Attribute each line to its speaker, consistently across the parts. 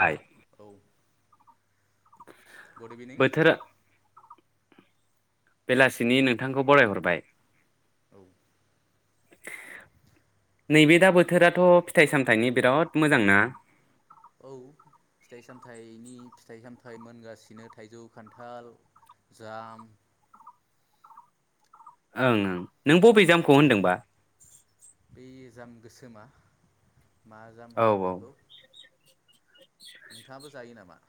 Speaker 1: आइ
Speaker 2: औ good evening
Speaker 1: बोथोर बेलासिनि नोंथांखौ बरायहरबाय।
Speaker 2: [inaudible]
Speaker 1: नैबे दा बोथोराथ फिथाइ सामथायाइनि बिराद मोजां ना?
Speaker 2: औ फिथाइ सामथाइनि फिथाइ सामथाइ मोनगासिनो थाइजौ खानथाल जाम
Speaker 1: ओं ओं नों बबे जामखौ होनदोंबा?
Speaker 2: इ जाम गोसोमा मा जाम
Speaker 1: औ
Speaker 2: होनो बेखौ नोंथाङाबो जायो नामा?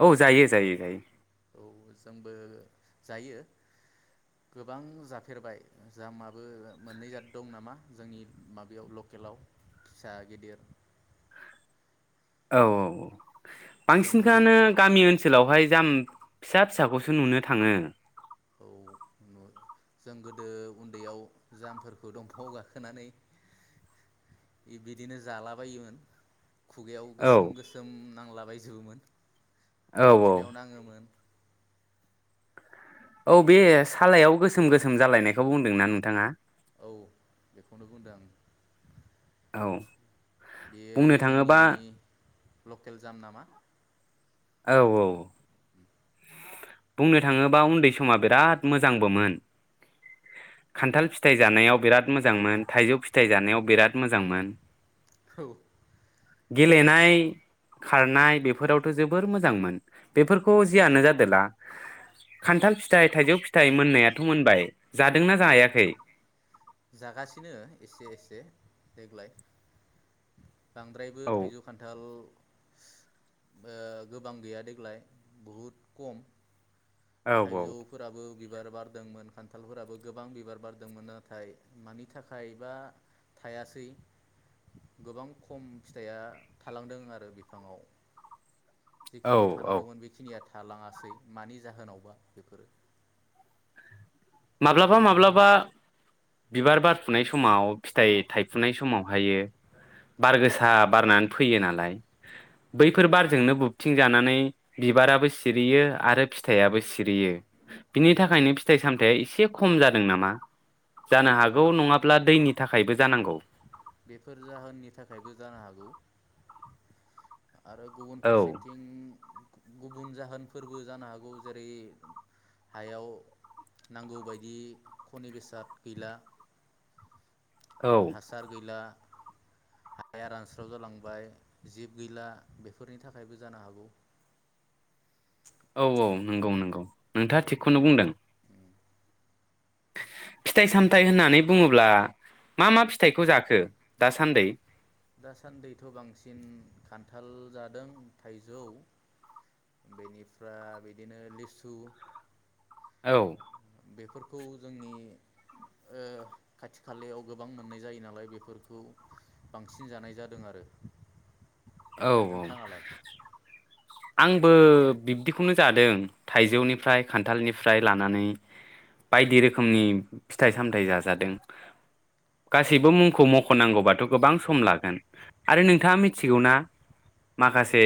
Speaker 1: औ जायो जायो जायो।
Speaker 2: औ जोंबो जायो गोबां जाफेरबाय जामाबो मोननै जाद दं नामा जोंनि माबायाव लकेलाव फिसा गिदिर।
Speaker 1: औ औ औ
Speaker 2: जों गोदो
Speaker 1: बांसिनखौनो गामि ओनसोलावहाय जाम फिसा फिसाखौसो नुनो थाङो।
Speaker 2: जों गोदो उनदैयाव जामफोरखौ दंफांआव गाखोनानै बिदिनो जालाबायोमोन खुगायाव
Speaker 1: औ
Speaker 2: गोसोम गोसोम नांलाबाय जोबोमोन।
Speaker 1: औ
Speaker 2: गस्लायाव नाङोमोन
Speaker 1: औ बे सालायाव गोसोम गोसोम जालायनायखौ बुंदोंना नोंथाङा?
Speaker 2: औ बेखौनो बुंदों आं।
Speaker 1: औ
Speaker 2: बेयो
Speaker 1: बुंनो
Speaker 2: जोंनि
Speaker 1: थाङोबा
Speaker 2: लकेल जाम नामा?
Speaker 1: औ औ बुंनो थाङोबा उनदै समा बिराद मोजांबोमोन खानथाल फिथाइ जानायाव बिराद मोजांमोन थाइजौ फिथाइ जानायाव बिराद मोजांमोन।
Speaker 2: औ
Speaker 1: गेलेनाय खारनाय बेफोरावथ जोबोर मोजांमोन। बेफोरखौ जादोला खानथाल फिथाइ थाइजौ फिथाइ मोननायाथ' मोनबाय जादोंना जायाखै
Speaker 2: जागासिनो एसे एसे देग्लाय बांद्रायबो
Speaker 1: औ
Speaker 2: थाइजौ खानथाल ओ गोबां गैया देग्लाय बहुद खम
Speaker 1: औ
Speaker 2: थाइजौफोराबो बिबार बारदोंमोन खानथालफोराबो गोबां बिबार बारदोंमोन नाथाय मानि थाखाय बा थायासै गोबां खम फिथाइया थालांदों आरो बिफाङाव
Speaker 1: औ
Speaker 2: जिखिनि
Speaker 1: औ
Speaker 2: थानांगौमोन बेखिनिया थालाङासै मानि जाहोनावबा बेफोरो
Speaker 1: माब्लाबा माब्लाबा बिबार बारफुनाय समाव फिथाइ थायफुनाय समावहायो बार गोसा बारनानै फैयो नालाय बैफोर बारजोंनो बबथिं जानानै बिबाराबो सिरियो आरो फिथाइयाबो सिरियो बिनि थाखायनो फिथाइ सामथाइया एसे खम जादों नामा जानो
Speaker 2: औ
Speaker 1: हागौ नङाब्ला दैनि थाखायबो जानांगौ
Speaker 2: बेफोर जाहोननि थाखायबो जानो हागौ आरो गुबुन
Speaker 1: औ
Speaker 2: फारसेथिं गुबुन जाहोनफोरबो जानो हागौ जेरै हायाव नांगौबायदि खनि बेसाद गैला
Speaker 1: औ
Speaker 2: हासार गैला हाया रानस्राव जालांबाय जिब गैला बेफोरनि थाखायबो जानो हागौ
Speaker 1: औ औ नंगौ नंगौ
Speaker 2: औ
Speaker 1: नोंथाङा थिगखौनो बुंदों फिथाइ सामथायाइ होननानै बुङोब्ला मा मा फिथाइखौ जाखो दासानदै
Speaker 2: दासानदैथ' बांसिन खानथाल जादों थाइजौ बेनिफ्राय बिदिनो लिसु
Speaker 1: औ
Speaker 2: बेफोरखौ जोंनि ओ खाथि खालायाव गोबां मोननाय जायो नालाय बेफोरखौ बांसिन जानाय जादों आरो
Speaker 1: औ औ
Speaker 2: नोंथाङालाय
Speaker 1: आंबो बिबदिखौनो जादों थाइजौनिफ्राय खानथालनिफ्राय लानानै बायदि रोखोमनि फिथाइ सामथायाइ जाजादों गासैबो मुंखौ मख'नांगौबाथ' गोबां सम लागोन आरो नोंथाङा मिथिगौना
Speaker 2: औ
Speaker 1: माखासे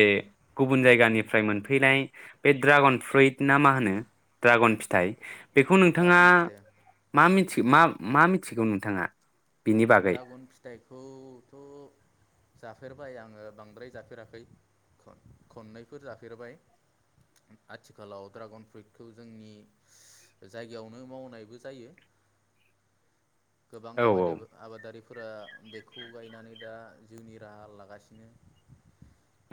Speaker 1: गुबुन जायगानिफ्राय मोनफैनाय बे ड्रागन फ्रुइट ना मा होनो ड्रागन फिथाइ बेखौ नोंथाङा
Speaker 2: ड्रागन फिथाइ
Speaker 1: मा मिथि मा मा मिथिगौ नोंथाङा बिनि बागै
Speaker 2: ड्रागन फिथाइखौथ' जाफेरबाय आङो बांद्राय जाफेराखै खन खननैफोर जाफेरबाय आथिखालाव ड्रागन फ्रुइटखौ जोंनि जायगायावनो मावनायबो जायो गोबां
Speaker 1: औ
Speaker 2: आबादाबो आबादारिफोरा बेखौ गायनानै दा जिउनि राहा लागासिनो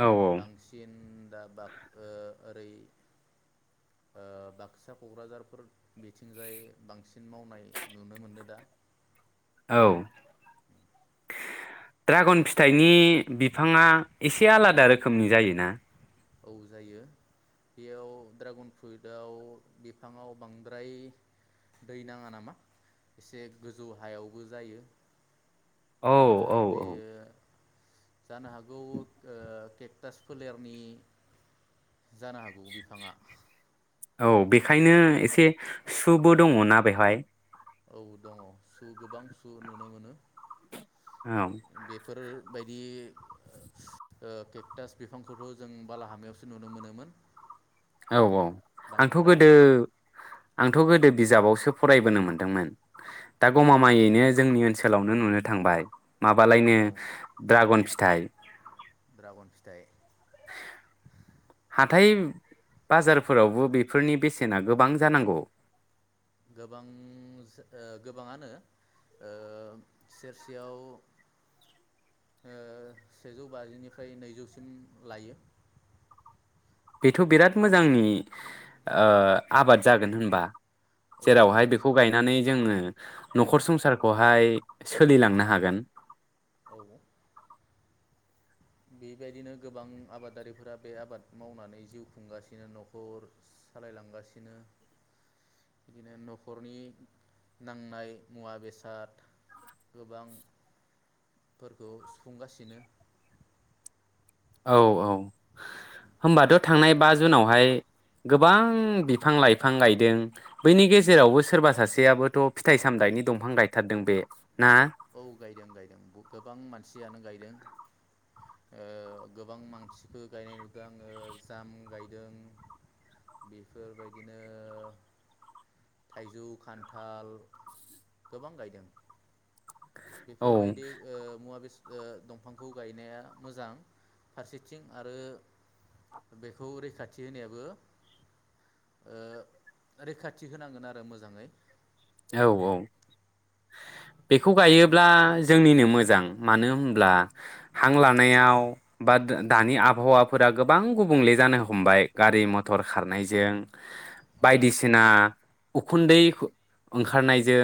Speaker 1: औ
Speaker 2: बांसिन दा बा ओरै ओ बाक्सा क'क्राझारफोर बिथिंजाय बांसिन मावनाय नुनो मोनदो दा
Speaker 1: औ ड्रागन फिथाइनि बिफाङा एसे आलादा रोखोमनि जायोना
Speaker 2: औ जायो बेयाव ड्रागन फ्रुइटाव बिफाङाव बांद्राय दै नाङा नामा? एसे गोजौ हायावबो जायो।
Speaker 1: औ
Speaker 2: आरो
Speaker 1: औ औ
Speaker 2: बेयो जानो हागौ ओ केकटास फोलेरनि जानो हागौ बिफाङा
Speaker 1: औ बेखायनो एसे सुबो दङ ना बेवहाय?
Speaker 2: औ दङ सु गोबां सु नुनो मोनो।
Speaker 1: औ
Speaker 2: बेफोर बायदि ओ केकटास बिफांखौथ जों बालाहामायावसो नुनो मोनोमोन।
Speaker 1: औ औ आंथ
Speaker 2: बांद्राय
Speaker 1: गोदो आंथ गोदो बिजाबावसो फरायबोनो मोनदोंमोन दा गमामायैनो जोंनि ओनसोलावनो नुनो थांबाय। माबालायनो
Speaker 2: औ
Speaker 1: ड्रागन फि थाइ
Speaker 2: ड्रागन फिथाइ
Speaker 1: हाथाइ बाजारफोरावबो बेफोरनि बेसेना गोबां जानांगौ।
Speaker 2: गोबां ओ गोबाङानो ओ सेरसेयाव ओ सेजौ बाजिनिफ्राय नैजौसिम लायो।
Speaker 1: बेथ बिराद मोजांनि ओ आबाद जागोन होनबा‌।
Speaker 2: औ
Speaker 1: जेरावहाय बेखौ
Speaker 2: आबादनो
Speaker 1: गायनानै जोङो। नखर संसारखौहाय सोलिलांनो हागोन।
Speaker 2: औ बेबायदिनो गोबां आबादारिफोरा बे आबादखौ मावनानै जिउ खुंगासिनो नखर सालायलांगासिनो बिदिनो नखरनि नांनाय मुवा बेसाद गोबां फोरखौ सुफुंगासिनो
Speaker 1: औ औ होमबाथ थांनाय बा जुनावहाय गोबां बिफां लाइफां गायदों बैनि गेजेरावबो सोरबा सासेयाबोथ फिथाइ सामथायाइनि दंफां गायथारदों बे। ना
Speaker 2: औ गायदों गायदों गोबां मानसियानो गायदों। ओ गोबां मानसिफोर गायनाय नुदों आङो जाम गायदों बेफोर बायदिनो थाइजौ खान्थाल गोबां गायदों। बेफोर
Speaker 1: औ
Speaker 2: बायदि ओ मुवा बेसाद ओ दंफांखौ गायनाया मोजां फारसेथिं आरो बेखौ रैखाथि होनायाबो ओ रैखाथि होनांगोन आरो मोजाङै।
Speaker 1: औ औ बेखौ गायोब्ला जोंनिनो मोजां मानो होमब्ला हां लानायाव बा दो दानि आबहावाफोरा गोबां गुबुंले जानो हमबाय गारि मथर खारनायजों
Speaker 2: औ
Speaker 1: बायदिसिना उखुन्दै ओंखारनायजों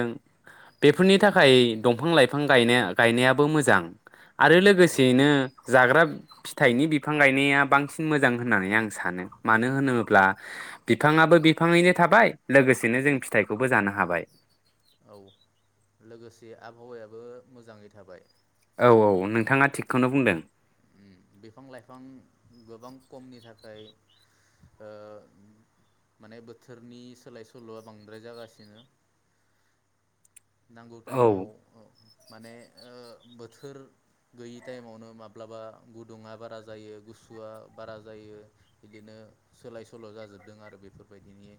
Speaker 1: बेफोरनि थाखाय दंफां लाइफां गाय गायनायाबो मोजां। आरो
Speaker 2: औ
Speaker 1: लोगोसेयैनो जाग्रा फिथाइनि बिफां गायनाया बांसिन मोजां होननानै आं सानो। मानो होनोब्ला बिफाङाबो बिफाङैनो थाबाय लोगोसेनो जों फिथाइखौ बो जानो हाबाय।
Speaker 2: औ लोगोसे आबहावायाबो मोजाङै थाबाय।
Speaker 1: औ औ नों
Speaker 2: बिफां लाइफां गोबां खमनि थाखाय ओ माने बोथोरनि सोलाय सोल'आ बांद्राय जागासिनो। नांगौ
Speaker 1: औ
Speaker 2: टाइमाव माने ओ बोथोर गैयि टाइमावनो माब्लाबा गुदुङा बारा जायो गुसुआ बारा जायो बिदिनो सोलाय सोल' जाजोबदों आरो बेफोरबायदिनि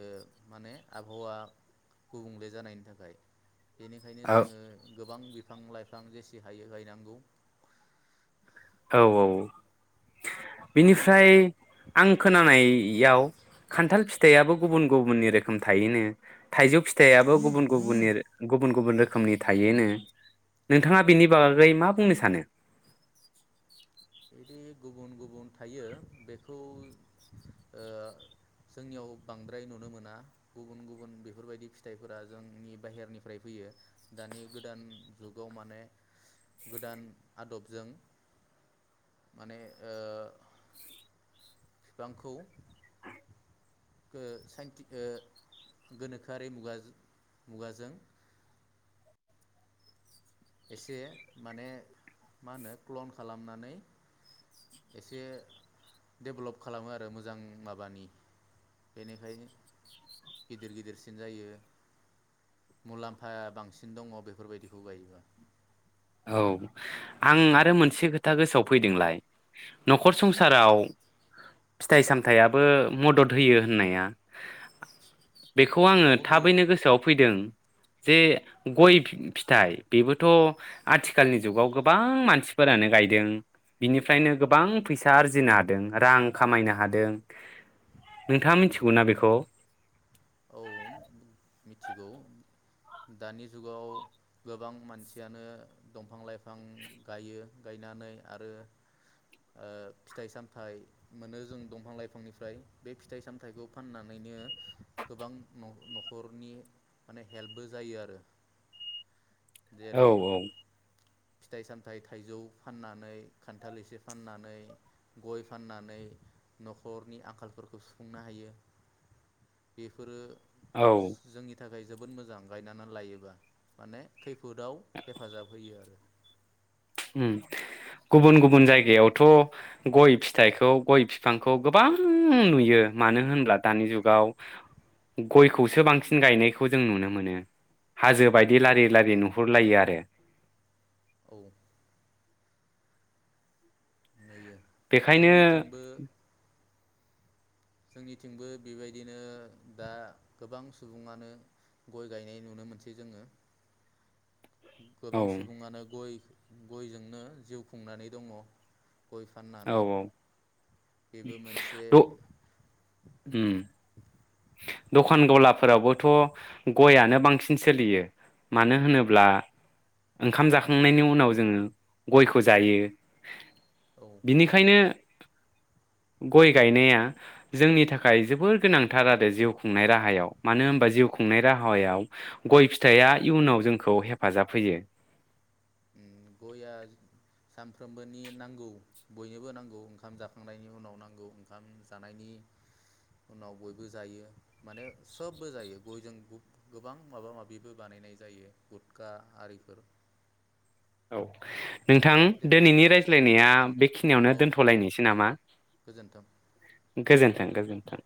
Speaker 2: ओ माने आबहावा गुबुंले जानायनि थाखाय बेनिखायनो
Speaker 1: औ
Speaker 2: जोङो गो गोबां बिफां लाइफां जेसे हायो गायनांगौ। [unintelligible]
Speaker 1: औ औ बिनिफ्राय आं खोनानायाव खान्थाल फिथाइाबो गुबुन गुबुननि रोखोम थायोनो थाइजौ फि थायाबो गुबुन गुबुननि गुबुन गुबुन रोखोमनि थायोनो नोंथाङा बेनि बागै मा बुंनो सानो?
Speaker 2: बिदि गुबुन गुबुन थायो बेखौ ओ जोंनियाव बांद्राय नुनो मोना गुबुन गुबुन बेफोरबायदि फिथाइफोरा जोंनि बाहेरनिफ्राय फैयो दानि गोदान जुगाव माने गोदान आदबजों माने ओ बिफांखौ ओ सायनटि ओ गोनोखोआरि मुगाजो मुगाजों एसे माने मा होनो क्लन खालामनानै एसे डेभेलप खालामो आरो मोजां माबानि बेनिखाय गिदिर गिदिरसिन जायो मुलामफाया बांसिन दङ बेफोर बायदिखौ गायोबा
Speaker 1: औ आं आरो मोनसे खोथा गोसोआव फैदोंलाय न'खर संसाराव फिथाइ सामथाइयाबो मदद होयो होननाया बेखौ आङो
Speaker 2: औ होयो
Speaker 1: थाबैनो गोसोआव फैदों। जे गय फिथाइ बेबोथ' आथिखालनि जुगाव गोबां मानसिफोरानो गायदों बिनिफ्रायनो गोबां फैसा आरजिनो हादों रां खामायनो हादों
Speaker 2: औ
Speaker 1: नोंथाङा मिथिगौ ना बेखौ।
Speaker 2: औ मिथिगौ दानि जुगाव गोबां मानसियानो दंफां लाइ फां गायो गायनानै आरो ओ फिथाइ ओ सामथाइ मोनो जों दंफां लाइफांनिफ्राय बे फिथाइ-सामथाइखौ फाननानैनो गोबां न' न'खरनि माने हेल्पबो जायो आरो
Speaker 1: औ
Speaker 2: जेरै
Speaker 1: औ।
Speaker 2: फिथाइ सामथाइ थाइजौ फाननानै खानथाल एसे फाननानै गय फाननानै न'खरनि आंखालफोरखौ सुफुंनो हायो बेफोरो
Speaker 1: औ
Speaker 2: जोंनि थाखाय जोबोद मोजां गायनानै लायोबा माने खैफोदाव हेफाजाब होयो आरो।
Speaker 1: उ गुबुन गुबुन जायगायावथ' गय फिथाइखौ गय बिफांखौ गोबां नुयो मानो होनब्ला दानि जुगाव गयखौसो बांसिन गायनायखौ जों नुनो मोनो। हाजो बायदि
Speaker 2: औ
Speaker 1: लारि लारि नुहुरलायो आरो [unintelligible]
Speaker 2: औ। नुयो
Speaker 1: बेखायनो
Speaker 2: जोंनिथिंबो जोंनिथिंबो बेबायदिनो दा गोबां सुबुङानो गय गायनाय नुनो मोनसै जोङो।
Speaker 1: औ
Speaker 2: गोबां सुबुङानो गय गयजोंनो जिउ खुंनानै दङ। गय
Speaker 1: औ
Speaker 2: फाननानै
Speaker 1: औ
Speaker 2: बेबो मोनसे
Speaker 1: द उम दखान गलाफोरावबोथ गययानो बांसिन सोलियो मानो होनोब्ला ओंखाम जाखांनायनि उनाव जोङो गयखौ जायो।
Speaker 2: औ
Speaker 1: बिनिखायनो गय गायनाया जोंनि थाखाय जोबोर गोनां थार आरो जिउ खुंनाय राहायाव मानो होनबा जिउ खुंनाय राहायाव गय फिथाइया इयुनाव जोंखौ हेफाजाब होयो।
Speaker 2: गया सानफ्रोमबोनि नांगौ बयनोबो नांगौ ओंखाम जाखांनायनि उनाव नांगौ ओंखाम जानायनि उनाव बयबो जायो माने सबबो जायो गयजों गोबां माबा माबिबो बानायनाय जायो गुुतका आरिफोर।
Speaker 1: औ नोंथां
Speaker 2: दे
Speaker 1: दिनैनि रायज्लायनाया बेखिनियावनो
Speaker 2: औ
Speaker 1: दोनथलायनोसै नामा?
Speaker 2: गोजोन्थों
Speaker 1: गोजोन्थों गोजोन्थों।